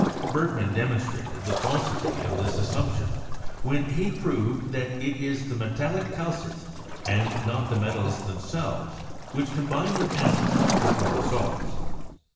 Bergman demonstrated the falsity of this assump tion when he proved that it is the metallic calces and not the metals themselves which combine with acids to form salts.